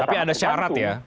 tapi ada syarat ya